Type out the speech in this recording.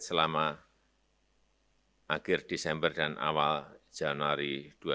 selama akhir desember dan awal januari dua ribu dua puluh